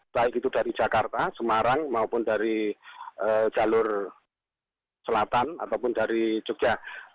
baik itu dari jakarta semarang maupun dari jalur selatan ataupun dari jogja